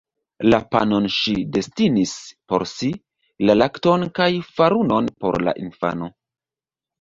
La panon ŝi destinis por si, la lakton kaj farunon por la infano.